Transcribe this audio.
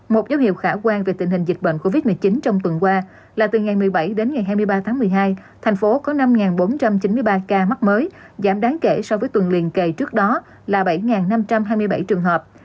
một dấu hiệu khả quan về tình hình dịch bệnh covid một mươi chín trong tuần qua là từ ngày một mươi bảy đến ngày hai mươi ba tháng một mươi hai thành phố có năm bốn trăm chín mươi ba ca mắc mới giảm đáng kể so với tuần liền kề trước đó là bảy năm trăm hai mươi bảy trường hợp